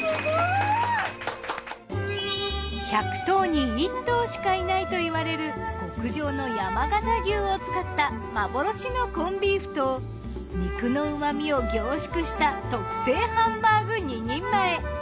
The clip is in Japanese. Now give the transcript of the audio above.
１００頭に１頭しかいないといわれる極上の山形牛を使った幻のコンビーフと肉の旨味を凝縮した特製ハンバーグ２人前。